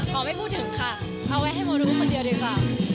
ไม่พูดถึงค่ะเอาไว้ให้โมรุคนเดียวดีกว่า